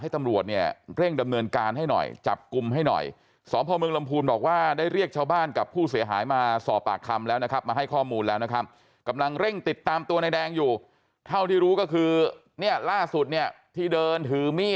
ถ้าที่รู้ก็คือนี้ร้านสุดที่เดินถือมี่